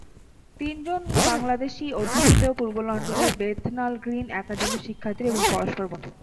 তিনজনই বাংলাদেশি-অধ্যুষিত পূর্ব লন্ডনের Bethnal green একাডেমির শিক্ষার্থী এবং পরস্পর বন্ধু।